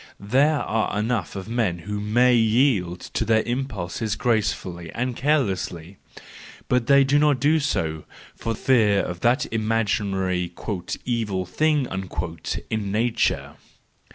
There are enough of men who may yield to their impulses gracefully and carelessly: but they do not do so, for fear of that imaginary " evil thing " in nature!